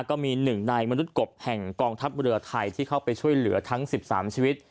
ก็มีหนึ่งในมนุษย์กบแห่งกองทัพเรือไทยที่เข้าไปช่วยเหลือทั้ง๑๓ชีวิต